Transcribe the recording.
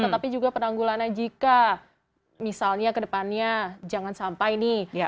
tetapi juga penanggulannya jika misalnya kedepannya jangan sampai nih